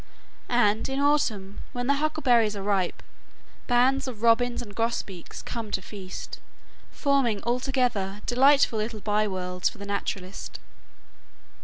And in autumn, when the huckleberries are ripe, bands of robins and grosbeaks come to feast, forming altogether delightful little byworlds for the naturalist.